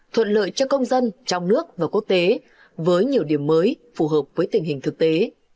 thuận lợi cho công dân trong nước và quốc tế với nhiều điểm mới phù hợp với tình hình thực tế